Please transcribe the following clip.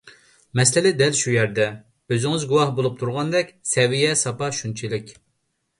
مەسىلە دەل شۇ يەردە. ئۆزىڭىز گۇۋاھ بولۇپ تۇرغاندەك سەۋىيە - ساپا شۇنچىلىك.